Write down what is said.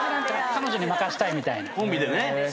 彼女に任したいみたいなコンビでね